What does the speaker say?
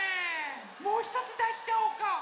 もうひとつだしちゃおうか。